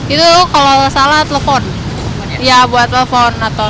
itu kalau salah telepon ya buat telepon